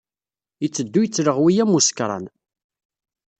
Yetteddu yettleɣwi am usekṛan.